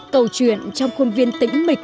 câu chuyện trong khuôn viên tĩnh mịch